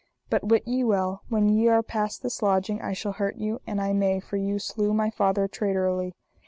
But wit ye well, when ye are past this lodging I shall hurt you an I may, for ye slew my father traitorly.